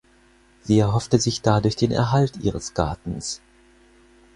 Sie erhoffte sich dadurch den Erhalt ihres Gartens.